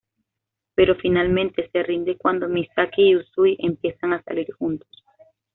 Pero finalmente, se rinde cuando Misaki y Usui empiezan a salir juntos.